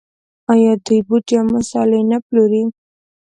آیا دوی بوټي او مسالې نه پلوري؟